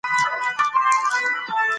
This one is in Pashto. ښوونکي له زده کوونکو معنوي ملاتړ کوي.